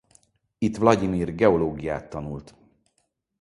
Itt Vlagyimir geológiát tanult.